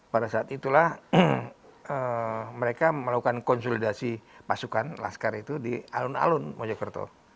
pada saat itulah mereka melakukan konsolidasi pasukan laskar itu di alun alun mojokerto